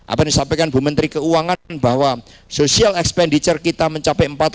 apa yang disampaikan bu menteri keuangan bahwa social expenditure kita mencapai rp empat ratus sembilan puluh tujuh triliun